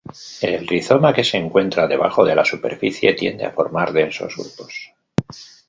El rizoma que se encuentra debajo de la superficie tiende a formar densos grupos.